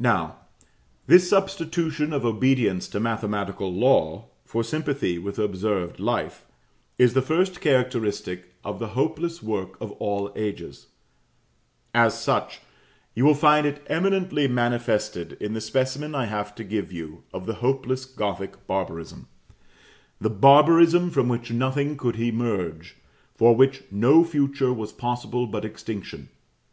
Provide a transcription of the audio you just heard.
Now, this substitution of obedience to mathematical law for sympathy with observed life, is the first characteristic of the hopeless work of all ages; as such, you will find it eminently manifested in the specimen I have to give you of the hopeless Gothic barbarism; the barbarism from which nothing could emerge for which no future was possible but extinction.